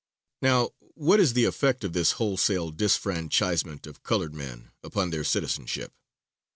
Now, what is the effect of this wholesale disfranchisement of colored men, upon their citizenship.